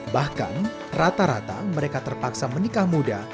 bahkan rata rata mereka terpaksa menikah muda